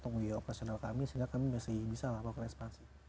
tunggu ya operasional kami sehingga kami masih bisa lah pake respansi